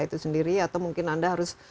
itu sendiri atau mungkin anda harus